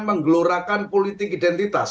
menggelorakan politik identitas